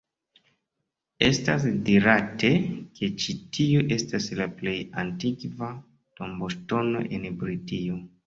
Estas dirate, ke ĉi tiu estas la plej antikva tomboŝtono en Britio.